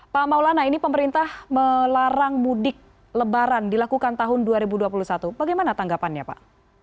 pak maulana ini pemerintah melarang mudik lebaran dilakukan tahun dua ribu dua puluh satu bagaimana tanggapannya pak